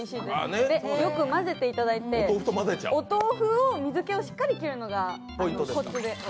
これをよく混ぜていただいてお豆腐の水気をしっかり切るのがこつです。